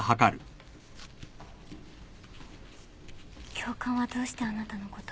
教官はどうしてあなたのことを？